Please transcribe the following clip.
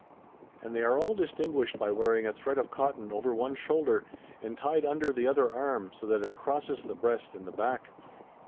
And they are all distinguished by wearing a thread of cotton over one shoulder and tied under the other arm, so that it crosses the breast and the back.